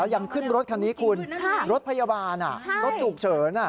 ยังขึ้นรถคันนี้คุณรถพยาบาลรถฉุกเฉิน